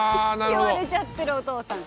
言われちゃってるお父さん。